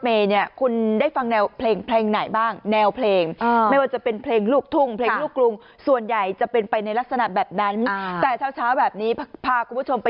เมย์เนี่ยคุณได้ฟังแนวเพลงเพลงไหนบ้างแนวเพลงไม่ว่าจะเป็นเพลงลูกทุ่งเพลงลูกกรุงส่วนใหญ่จะเป็นไปในลักษณะแบบนั้นแต่เช้าแบบนี้พาคุณผู้ชมไป